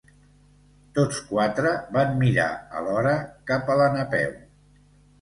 Tots quatre van mirar alhora cap a la Napeu.